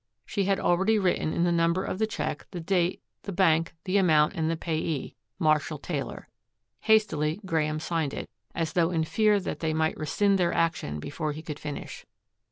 She had already written in the number of the check, the date, the bank, the amount, and the payee, Marshall Taylor. Hastily Graeme signed it, as though in fear that they might rescind their action before he could finish.